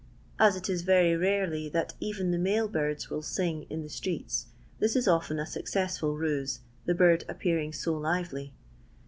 As it is Tery rarely that eren the male birds will ling in the streets, this it often a successful ruse, the bird appearing so lively.